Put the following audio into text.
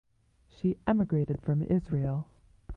She emigrated from Israel.